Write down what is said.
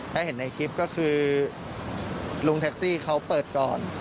ถ้าเห็นในคลิปก็คือลุงแท็กซี่เขาเปิดก่อน